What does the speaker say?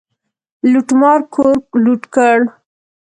لوټمار کور لوټ کړ.